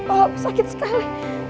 oh aku sakit sekali